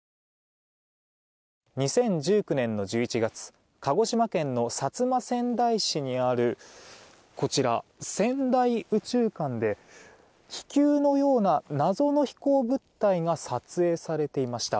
２０１９年の１１月鹿児島県の薩摩川内市にあるこちら、せんだい宇宙館で気球のような謎の飛行物体が撮影されていました。